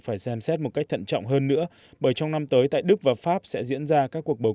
phải xem xét một cách thận trọng hơn nữa bởi trong năm tới tại đức và pháp sẽ diễn ra các cuộc bầu